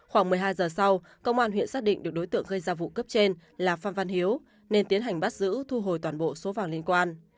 khoảng một mươi hai giờ sau công an huyện xác định được đối tượng gây ra vụ cướp trên là phan văn hiếu nên tiến hành bắt giữ thu hồi toàn bộ số vàng liên quan